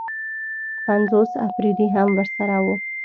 پنځوس اپرېدي هم ورسره وو.